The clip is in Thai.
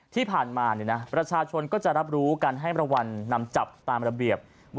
ที่ผ่านมาเนี่ยนะประชาชนก็จะรับรู้การให้มรวรรณนำจับตามระเบียบ